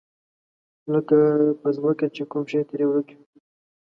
لکه په ځمکه چې کوم شی ترې ورک وي.